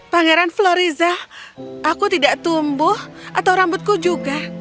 pangeran floriza aku tidak tumbuh atau rambutku juga